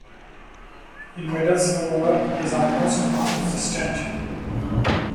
In metals however, it is almost non-existent.